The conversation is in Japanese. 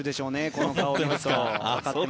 この顔は。